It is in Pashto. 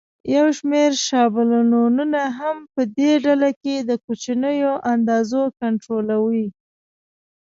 یو شمېر شابلونونه هم په دې ډله کې د کوچنیو اندازو کنټرولوي.